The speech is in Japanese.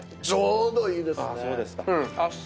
ちょうどいいですね。